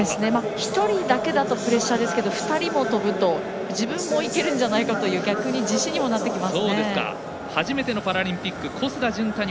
１人だけだとプレッシャーですけど２人も跳ぶと自分もいけるんじゃないかという逆に自信にもなってきます。